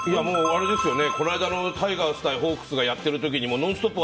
この間のタイガース対ホークスがやってる時に「ノンストップ！」